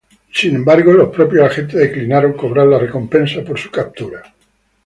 Sin embargo, los propios agentes declinaron cobrar la recompensa por su captura.